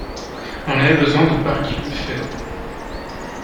On avait besoin de Barkilphedro.